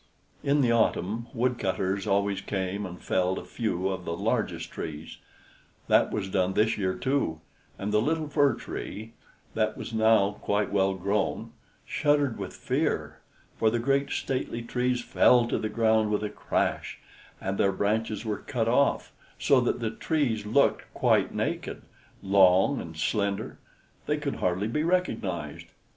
In the autumn woodcutters always came and felled a few of the largest trees; that was done this year too, and the little Fir Tree, that was now quite well grown, shuddered with fear, for the great stately trees fell to the ground with a crash, and their branches were cut off, so that the trees looked quite naked, long, and slender they could hardly be recognized.